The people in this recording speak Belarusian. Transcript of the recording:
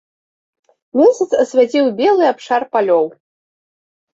Месяц асвяціў белы абшар палёў.